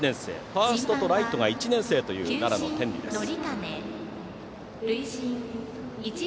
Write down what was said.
ファーストとライトが１年生という奈良の天理です。